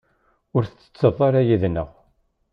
Ur tsetteḍ ara yid-nneɣ?